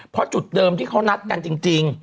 เพราะจุดเดิมที่เขานัดกันจริง